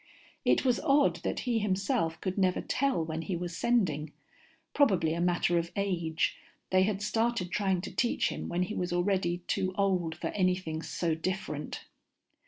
It was odd that he himself could never tell when he was sending. Probably a matter of age. They had started trying to teach him when he was already too old for anything so different.